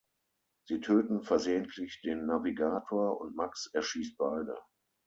Sie töten versehentlich den Navigator, und Max erschießt beide.